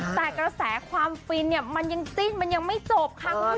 แต่กระแสความฟินเนี่ยมันยังจิ้นมันยังไม่จบค่ะคุณผู้ชม